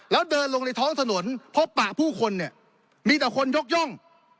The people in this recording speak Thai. แล้วเดินลงในท้องถนนพบปะผู้คนเนี่ยมีแต่คนยกย่อง